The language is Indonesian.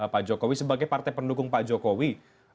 pak jokowi sebagai partai pendukung pak jokowi